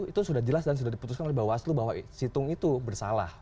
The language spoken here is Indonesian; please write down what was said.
itu sudah jelas dan sudah diputuskan oleh bawaslu bahwa situng itu bersalah